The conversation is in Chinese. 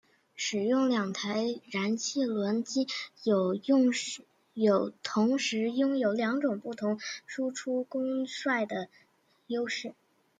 使用两台燃气轮机有同时拥有两种不同输出功率的优势。